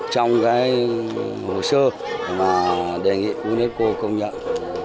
trong hồ sơ đề nghị unesco công nhận